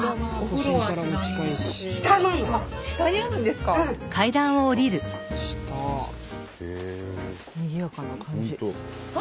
にぎやかな感じ。